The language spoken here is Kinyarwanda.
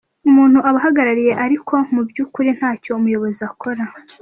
umuntu ubahagarariye ariko mu byukuri ntacyo umuyobozi akora.